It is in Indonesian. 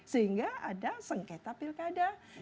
sehingga ada sengketa pilkada